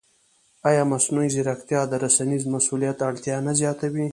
ایا مصنوعي ځیرکتیا د رسنیز مسؤلیت اړتیا نه زیاتوي؟